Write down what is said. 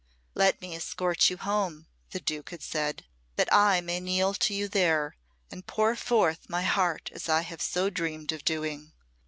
"Let me escort you home," the duke had said, "that I may kneel to you there, and pour forth my heart as I have so dreamed of doing.